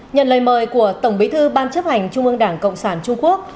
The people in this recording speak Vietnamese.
nhận lời mời của tổng bí thư ban chấp hành trung ương đảng cộng sản trung quốc